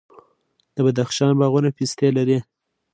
د بدخشان باغونه پستې لري.